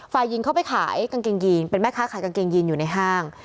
ฝ่ายหญิงเขาไปขายกางเกงยีนเป็นแม่ค้าขายกางเกงยีนอยู่ในห้าง